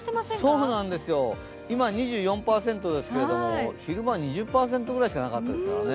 そうなんですよ今２４％ですけれども蛭間は２０％ぐらいしかなかったからですね。